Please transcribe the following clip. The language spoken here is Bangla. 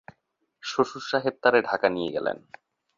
শ্বশুরসাহেব তারে ঢাকা নিয়ে গেলেন।